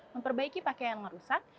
memperbaiki pakaian yang rusak